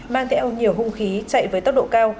mang theo nhiều hung khí chạy vào nhà